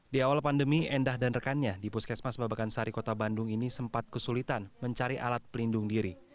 di awal pandemi endah dan rekannya di puskesmas babakan sari kota bandung ini sempat kesulitan mencari alat pelindung diri